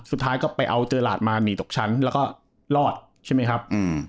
สุดท้ายก็ไปเอาเจอหลาดมาหนีตกชั้นแล้วก็รอดใช่ไหมครับอืม